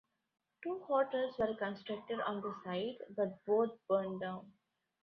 Two hotels were constructed on the site, but both burned down.